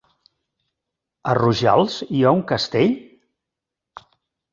A Rojals hi ha un castell?